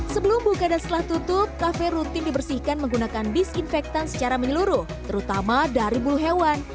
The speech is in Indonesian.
sebelum buka dan setelah tutup kafe rutin dibersihkan menggunakan disinfektan secara menyeluruh terutama dari bulu hewan